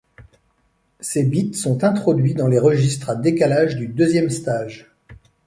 Ces bits sont introduits dans les registres à décalage du deuxième stage.